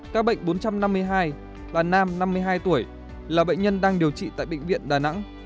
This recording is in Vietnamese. các bệnh bốn trăm năm mươi hai là nam năm mươi hai tuổi là bệnh nhân đang điều trị tại bệnh viện đà nẵng